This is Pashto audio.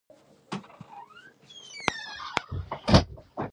آیا دوی شعر او ادب ته ارزښت نه ورکوي؟